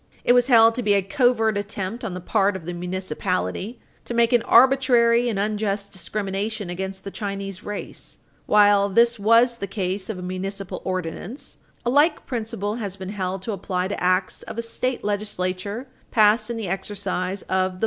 It was held to be a covert attempt on the part of the municipality to make an arbitrary and unjust discrimination against the Chinese race. While this was the case of a municipal ordinance, a like principle has been held to apply to acts of a state legislature passed in the exercise of the police power.